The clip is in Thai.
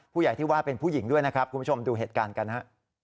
ผู้ใหญ่ที่ว่าเป็นผู้หญิงด้วยนะครับคุณผู้ชมดูเหตุการณ์กันฮะ